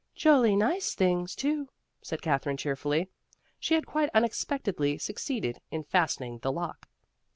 "Jolly nice things too," said Katherine cheerfully. She had quite unexpectedly succeeded in fastening the lock.